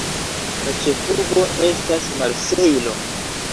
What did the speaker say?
La ĉefurbo estas Marsejlo.